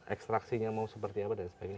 ekstraksinya mau seperti apa dan sebagainya